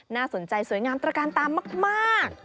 น่าสนใจสวยงามตระการตามาก